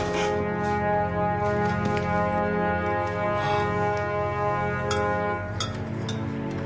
ああ。